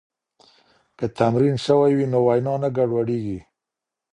که تمرین سوی وي نو وینا نه ګډوډېږي.